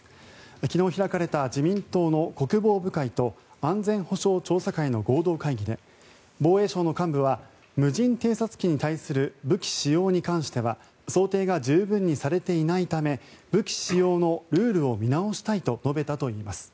昨日開かれた自民党の国防部会と安全保障調査会の合同会議で防衛省の幹部は無人偵察機に対する武器使用に関しては想定が十分にされていないため武器使用のルールを見直したいと述べたといいます。